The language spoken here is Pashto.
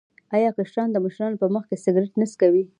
آیا کشران د مشرانو په مخ کې سګرټ نه څکوي؟